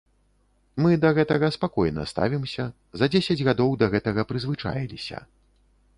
Мы да гэтага спакойна ставімся, за дзесяць гадоў да гэтага прызвычаіліся.